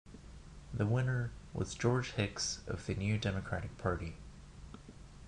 The winner was George Hickes of the New Democratic Party.